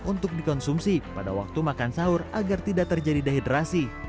untuk dikonsumsi pada waktu makan sahur agar tidak terjadi dehidrasi